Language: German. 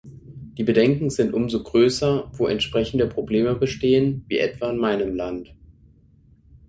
Die Bedenken sind umso größer, wo entsprechende Probleme bestehen, wie etwa in meinem Land.